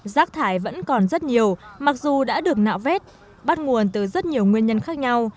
rác thải vẫn còn rất nhiều mặc dù đã được nạo vét bắt nguồn từ rất nhiều nguyên nhân khác nhau